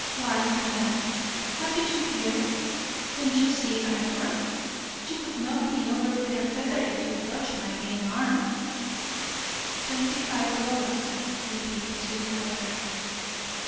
"Why, man, what do you fear? Don't you see I'm hurt? You could knock me over with a feather if you touched my game arm." "Twenty five dollars," repeated Sweetwater.